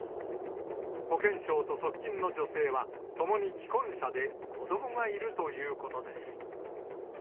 保健相と側近の女性は、ともに既婚者で、子どもがいるということです。